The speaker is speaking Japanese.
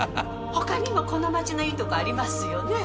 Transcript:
ほかにもこの町のいいとこありますよね？